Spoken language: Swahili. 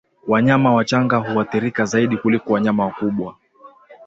Wanyama wachanga huathirika zaidi kuliko wanyama wakubwa